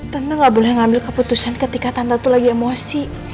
tante gak boleh ngambil keputusan ketika tante itu lagi emosi